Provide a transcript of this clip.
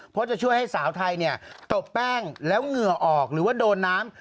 เพราะจะช่วยให้สาวไทยเนี่ยตบแป้งแล้วเหงื่อออกหรือว่าโดนน้ำ